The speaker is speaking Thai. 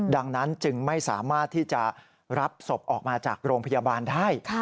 ดังนั้นจึงไม่สามารถที่จะรับศพออกมาจากโรงพยาบาลได้